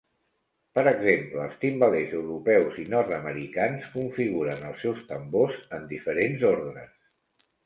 Per exemple, els timbalers europeus i nord-americans configuren els seus tambors en diferents ordres.